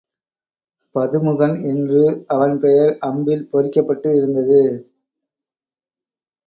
பதுமுகன் என்று அவன் பெயர் அம்பில் பொறிக்கப்பட்டு இருந்தது.